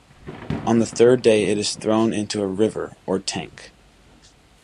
On the third day it is thrown into a river or tank.